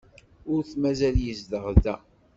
Ur t-mazal yezdeɣ da.